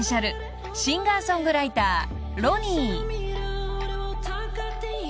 ［シンガー・ソングライター］